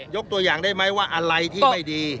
ยกตัวอย่างได้ไหมว่าอะไรที่ไม่ดี